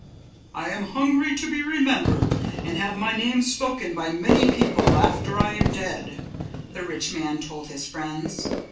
"I am hungry to be remembered and have my name spoken by many people after I am dead," the rich man told his friends.